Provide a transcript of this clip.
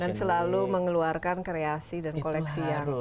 dan selalu mengeluarkan kreasi dan koleksi yang baru